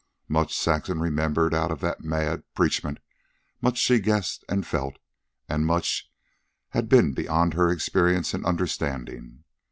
Much Saxon remembered of that mad preachment, much she guessed and felt, and much had been beyond her experience and understanding.